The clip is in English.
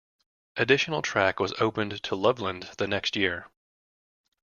Additional track was opened to Loveland the next year.